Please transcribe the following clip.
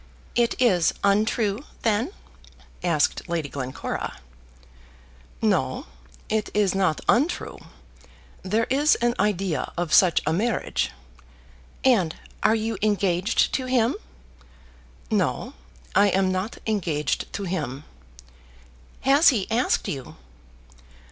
"It is untrue, then?" asked Lady Glencora. "No; it is not untrue. There is an idea of such a marriage." "And you are engaged to him?" "No; I am not engaged to him." "Has he asked you?"